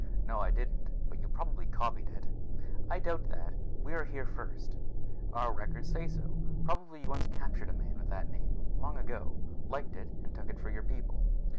"No, I didn't. But you probably copied it." "I doubt that. We were here first, Jak. Our records say so. Probably, you once captured a man with that name, long ago, liked it, and took it for your people."